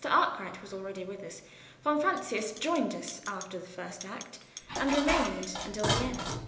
Arkwright was already with us. Von Francius joined us after the first act, and remained until the end.